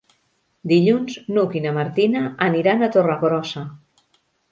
Dilluns n'Hug i na Martina aniran a Torregrossa.